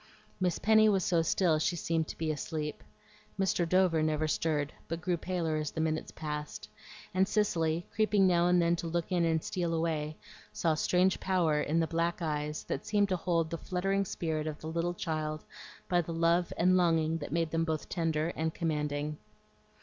Miss Penny was so still she seemed to be asleep. Mr. Dover never stirred, but grew paler as the minutes passed; and Cicely, creeping now and then to look in and steal away, saw strange power in the black eyes that seemed to hold the fluttering spirit of the little child by the love and longing that made them both tender and commanding.